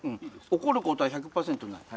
怒ることは１００％ない。